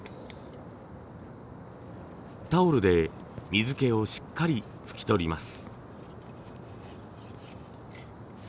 タオルで水気をしっかり拭き取ります。